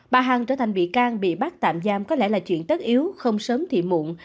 bà hằng trở thành bị can bị bắt tạm giam có lẽ là chuyện tất yếu không sớm thị muộn